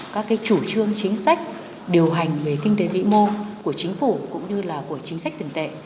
các chủ trương chính sách điều hành về kinh tế vĩ mô của chính phủ cũng như là của chính sách tiền tệ